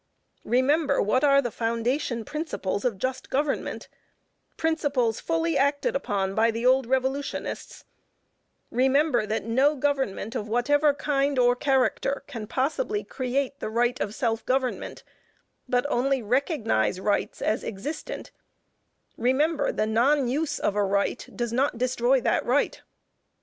Remember what are the foundation principles of just government, principles fully acted upon by the old revolutionists; remember that no government of whatever kind or character can possibly create the right of self government, but only recognize rights as existent; remember the non use of a right does not destroy that right.